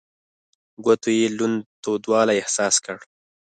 ګوتو يې لوند تودوالی احساس کړ.